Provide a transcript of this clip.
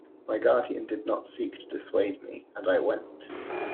My guardian did not seek to dissuade me, and I went.